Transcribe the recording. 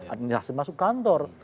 administrasi masuk kantor